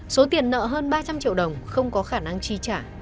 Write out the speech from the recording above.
số tiền nợ hơn ba trăm linh triệu đồng không có khả năng chi trả